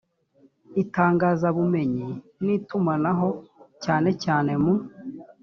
itangazabumenyi n itumanaho cyane cyane mu